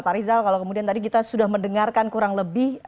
pak rizal kalau kemudian tadi kita sudah mendengarkan kurang lebih